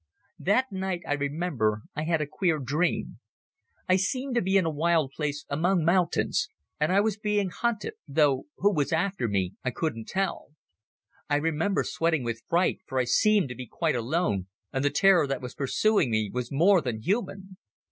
That night, I remember, I had a queer dream. I seemed to be in a wild place among mountains, and I was being hunted, though who was after me I couldn't tell. I remember sweating with fright, for I seemed to be quite alone and the terror that was pursuing me was more than human.